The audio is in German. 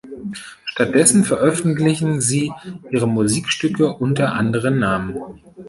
Stattdessen veröffentlichen sie ihre Musikstücke unter anderen Namen.